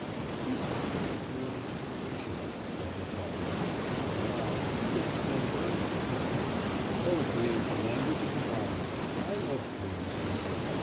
'He is putting me through an examination,' thought Natalya, and aloud: 'Yes, I am very fond of it.' 'Poetry is the language of the gods. I love poems myself.